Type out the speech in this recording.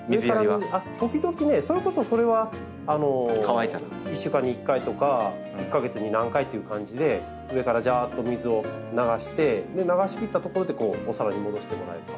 上から時々ねそれこそそれは１週間に１回とか１か月に何回という感じで上からじゃっと水を流して流しきったところでお皿に戻してもらえれば。